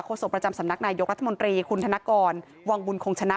โศกประจำสำนักนายกรัฐมนตรีคุณธนกรวังบุญคงชนะ